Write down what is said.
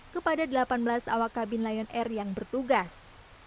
kepada delapan belas awak kabin lion air yang bertugas